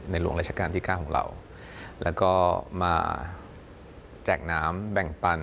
ในหลวงรัชการที่๙และมาแจกน้ำแบ่งปัน